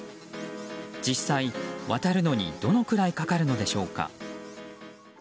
実際、渡るのにどのくらいかかるのでしょうか。